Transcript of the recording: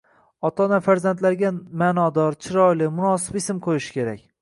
Ota-ona farzandlariga manodor, chiroyli, munosib ism qo‘yishi kerak